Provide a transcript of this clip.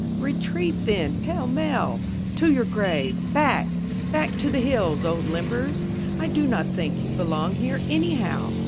Retreat then! Pell mell! To your graves! Back! back to the hills, old limpers! I do not think you belong here, anyhow.